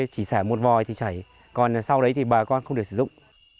chỉ xả một vòi thì chảy còn sau đấy thì bà con không được sử dụng